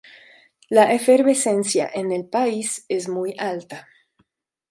La efervescencia en el país es muy alta.